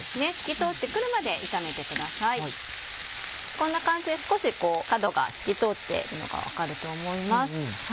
こんな感じで少し角が透き通っているのが分かると思います。